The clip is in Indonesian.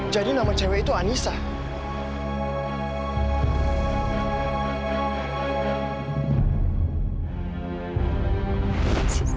jadi nama cewek itu anissa